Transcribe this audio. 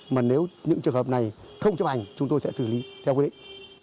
mà nếu những trường hợp này không chấp hành chúng tôi sẽ xử lý theo quy định